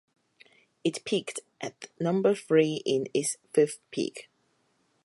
It peaked at number three in its fifth peak.